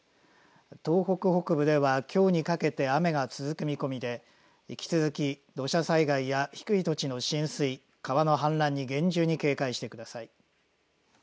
東北北部では、きょうにかけて雨が続く見込みで引き続き土砂災害や低い土地の浸水、川の氾濫に厳重に警戒してください。